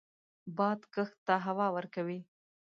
باد کښت ته هوا ورکوي